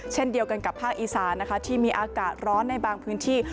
เช่นเดียวกันกับภาคอีสานนะคะที่มีอากาศร้อนในบางพื้นที่